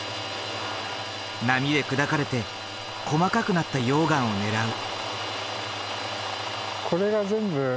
波で砕かれて細かくなった溶岩を狙う。